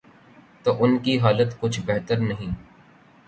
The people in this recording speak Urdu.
تو ان کی حالت کچھ بہتر نہیں۔